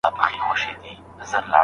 اوس په هر کدو جګېږي اوس په هر اجړا خورېږي